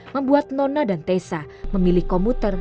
membuat nona dan tessa memilih komuter